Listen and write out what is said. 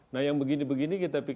nah yang begini begini kita